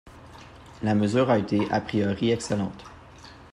La mesure était a priori excellente.